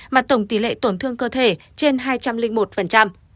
mà tổng tỷ lệ tổn thương cơ thể trên hai trăm linh một